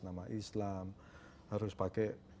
nama islam harus pakai